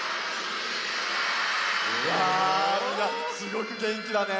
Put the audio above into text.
みんなすごくげんきだね。